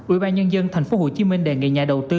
ubnd tp hcm đề nghị nhà đầu tư